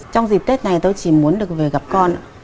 trong dịp tết này tôi chỉ muốn được về gặp con